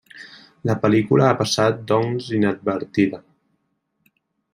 La pel·lícula ha passat doncs inadvertida.